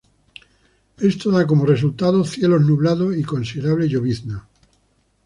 Esto da como resultado cielos nublados y considerable llovizna.